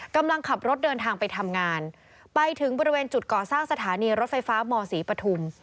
กำลังขับรถเดินทางไปทำงานไปถึงบริเวณจุดก่อสร้างสถานีรถไฟฟ้ามศรีปฐุม